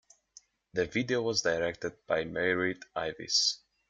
The video was directed by Meiert Avis.